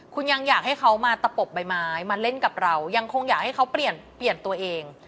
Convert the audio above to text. คุณยังอยากให้เขามาตะปบใบไม้มาเล่นกับเรายังคงอยากให้เขาเปลี่ยนเปลี่ยนตัวเอง